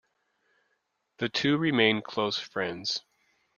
The two remain close friends.